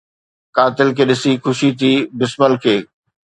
قاتل کي ڏسي خوشي ٿي بسمل کي